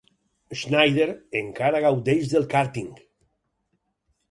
Schneider encara gaudeix del kàrting.